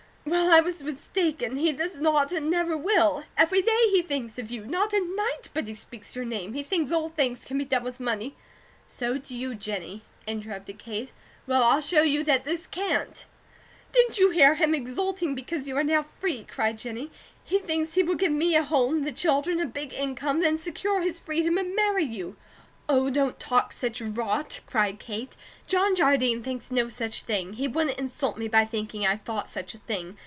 Well, I was mistaken. He does not, and never will. Every day he thinks of you; not a night but he speaks your name. He thinks all things can be done with money " "So do you, Jennie," interrupted Kate. "Well, I'll show you that this CAN'T!" "Didn't you hear him exulting because you are now free?" cried Jennie. "He thinks he will give me a home, the children, a big income; then secure his freedom and marry you." "Oh, don't talk such rot!" cried Kate. "John Jardine thinks no such thing. He wouldn't insult me by thinking I thought such a thing.